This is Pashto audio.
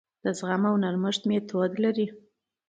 د زغم او نرمښت میتود لري.